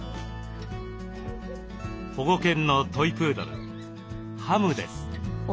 保護犬のトイ・プードル「ハム」です。